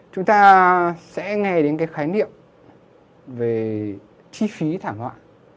chúng ta sẽ nghe đến cái khái niệm về chi phí thảm họa